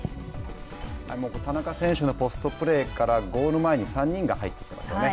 田中選手のポストプレーからゴール前に３人が入ってきますよね。